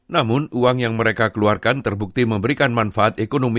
namun uang yang mereka keluarkan terbukti memberikan manfaat ekonomi